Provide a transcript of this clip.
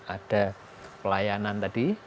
ada pelayanan tadi